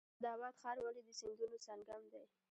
اسعد اباد ښار ولې د سیندونو سنگم دی؟